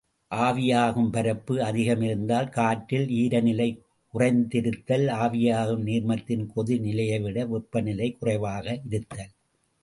ஆவியாகும் பரப்பு அதிகமிருத்தல், காற்றில் ஈரநிலை குறைந்திருத்தல், ஆவியாகும் நீர்மத்தின் கொதிநிலையைவிட வெப்பநிலை குறைவாக இருத்தல்.